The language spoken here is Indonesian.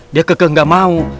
dia keke nggak mau